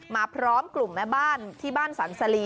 พร้อมกลุ่มแม่บ้านที่บ้านสรรสลี